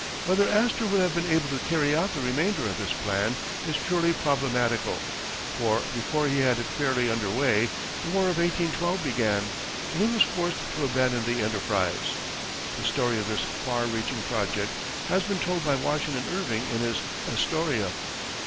Whether Astor would have been able to carry out the remainder of his plan is purely problematical, for before he had it fairly under way, the war of 1812 began, and he was forced to abandon the enterprise. The story of this far reaching project has been told by Washington Irving in his "Astoria."